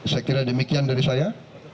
saya kira demikian dari saya